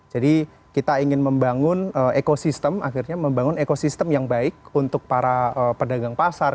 jadi kita ingin membangun ekosistem akhirnya membangun ekosistem yang baik untuk para pedagang pasar